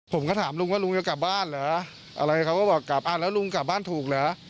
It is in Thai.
ผมก็ถามลุงว่าลุงจะกลับบ้านเหรออะไรเขาก็บอกกลับอ่าแล้วลุงกลับบ้านถูกเหรอ